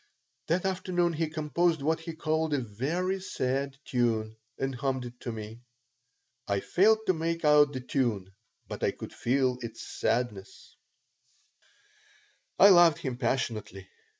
That afternoon he composed what he called a "very sad tune," and hummed it to me. I failed to make out the tune, but I could feel its sadness I loved him passionately.